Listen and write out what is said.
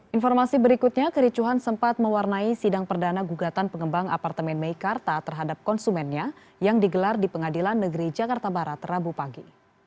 informasi berikutnya kericuhan sempat mewarnai sidang perdana gugatan pengembang apartemen meikarta terhadap konsumennya yang digelar di pengadilan negeri jakarta barat rabu pagi